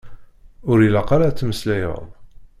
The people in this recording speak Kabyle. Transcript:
Ur ilaq ara ad temmeslayeḍ.